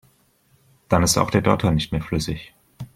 Dann ist auch der Dotter nicht mehr flüssig.